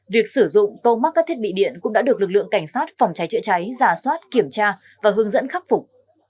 việc sử dụng tôm mắc các thiết bị điện cũng đã được lực lượng cảnh sát phòng cháy chữa cháy giả soát kiểm tra và hướng dẫn khắc phục